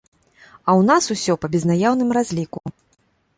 А ў нас усё па безнаяўным разліку.